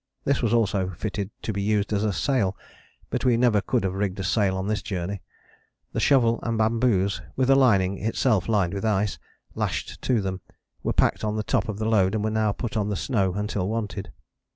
This was also fitted to be used as a sail, but we never could have rigged a sail on this journey. The shovel and the bamboos, with a lining, itself lined with ice, lashed to them, were packed on the top of the load and were now put on the snow until wanted.